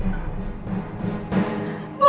yang nyari kan